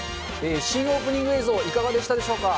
新オープニング映像、いかがでしたでしょうか。